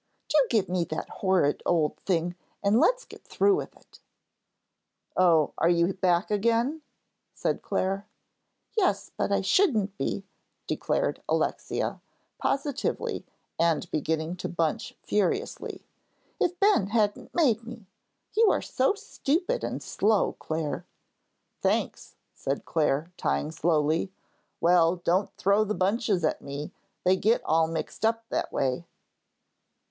"Do give me that horrid old thing and let's get through with it." "Oh, are you back again?" said Clare. "Yes, but I shouldn't be," declared Alexia, positively, and beginning to bunch furiously, "if Ben hadn't made me. You are so stupid and slow, Clare." "Thanks," said Clare, tying slowly. "Well, don't throw the bunches at me, they get all mixed up that way."